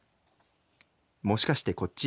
『もしかしてこっち？